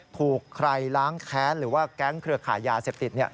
ถูกใครล้างแค้นหรือว่าแก๊งเครือขายยาเสพติด